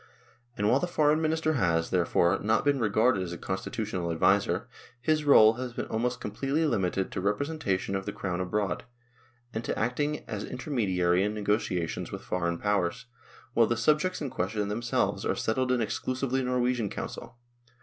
And while the Foreign Minister has, there fore, not been regarded as a constitutional adviser, his role has been almost completely limited to repre sentation of the Crown abroad, and to acting as inter mediary in negotiations with foreign powers, while the subjects in question themselves are settled in exclusively Norwegian council.